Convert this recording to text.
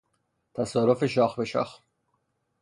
تصادف شاخ به شاخ